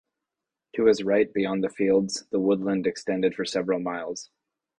To his right beyond the fields the woodland extended for several miles.